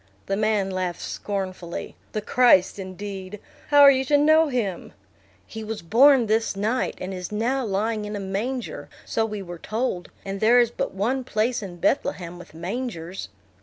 The man laughed scornfully. "The Christ indeed! How are you to know him?" "He was born this night, and is now lying in a manger, so we were told; and there is but one place in Bethlehem with mangers."